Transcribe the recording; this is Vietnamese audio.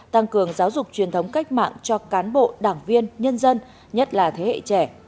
tăng cường giáo dục truyền thống cách mạng cho cán bộ đảng viên nhân dân nhất là thế hệ trẻ